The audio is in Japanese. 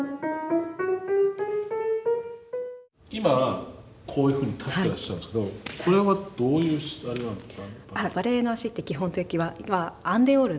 今こういうふうに立ってらっしゃるんですけどこれはどういうあれなんですか？